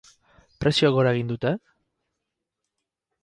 Prezioek gora egin dute?